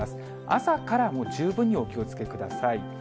朝からもう十分にお気をつけください。